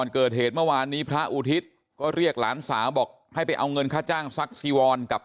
ก็เรียกหลานสาวบอกให้ไปเอาเงินค่าจ้างภักดิ์สี่วันกลับ